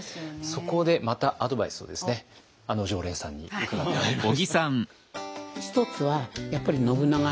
そこでまたアドバイスをですねあの常連さんに伺ってまいりました。